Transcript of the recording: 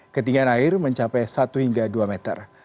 ketinggian air mencapai satu hingga dua meter